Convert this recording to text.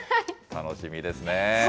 楽しみですねぇ。